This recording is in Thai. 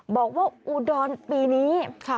บอกว่าอุดรณ์ปีนี้